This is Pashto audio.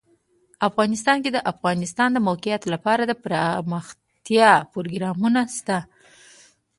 افغانستان کې د د افغانستان د موقعیت لپاره دپرمختیا پروګرامونه شته.